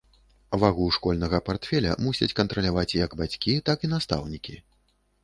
Вагу школьнага партфеля мусяць кантраляваць як бацькі, так і настаўнікі.